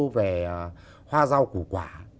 về hoa rau củ quả